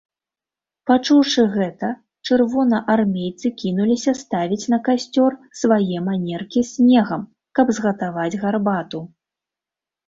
Пачуўшы гэта, чырвонаармейцы кінуліся ставіць на касцёр свае манеркі з снегам, каб згатаваць гарбату.